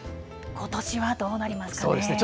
ことしはどうなりますかね。